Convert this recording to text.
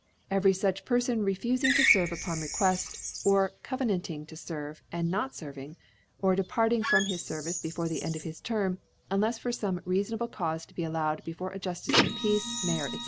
' Every fuchPerfon refufing to ferve upon Requeft, or covenanting to ferve, and not ferving ; or departing from his Scrvicfe btfore the End of his Term, liolefs for fbme reafonable Caufe to be allowed before a Juflicc of the Peace, Mayor, ^c.